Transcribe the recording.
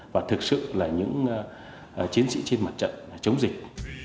và thực sự là những chiến sĩ trên mặt trận chống dịch